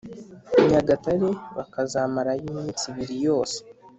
nyagatare bakazamarayo iminsi ibiri yose”